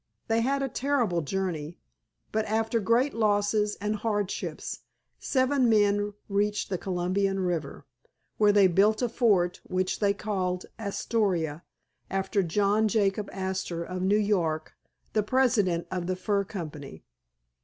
They had a terrible journey, but after great losses and hardships seven men reached the Columbia River, where they built a fort which they called Astoria, after John Jacob Astor of New York, the president of the fur company.